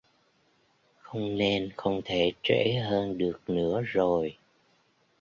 Không nên không thể trễ hơn được nữa rồi